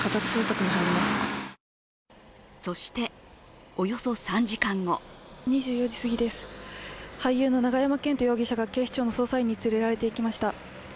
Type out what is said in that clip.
そして、およそ３時間後２４時すぎです、俳優の永山絢斗容疑者が警視庁の捜査員に連れられていきました。